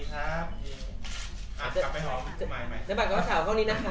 ใหม่น้ำให้เจ๊ด้วยนะคะ